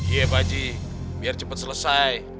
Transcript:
iya pak ji biar cepet selesai